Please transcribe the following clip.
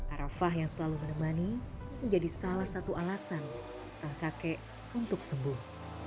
arafah yang selalu menemani menjadi salah satu alasan sang kakek untuk sembuh